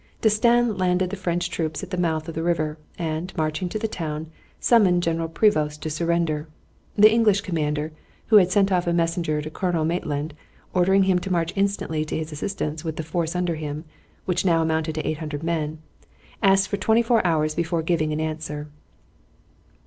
D'Estaing landed the French troops at the mouth of the river, and, marching to the town, summoned General Prevost to surrender. The English commander, who had sent off a messenger to Colonel Maitland, ordering him to march instantly to his assistance with the force under him, which now amounted to 800 men, asked for twenty four hours before giving an answer.